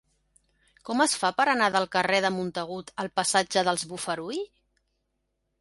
Com es fa per anar del carrer de Montagut al passatge dels Bofarull?